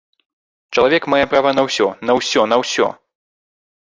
Чалавек мае права на усё, на усё, на ўсё!